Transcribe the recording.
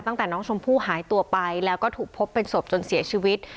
ตั้งแต่น้องชมพู่หายตัวไปแล้วก็ถูกพบเป็นศพจนเสียชีวิต